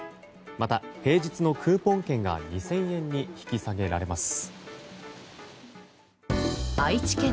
また、平日のクーポン券が２０００円に引き下げられます。